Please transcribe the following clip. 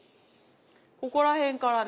ここら辺からね